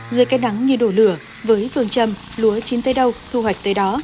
giữa cái nắng như đổ lửa với cường trầm lúa chín tới đâu thu hoạch tới đó